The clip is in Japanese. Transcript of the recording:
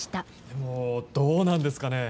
でも、どうなんですかね？